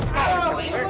saya sudah berjaga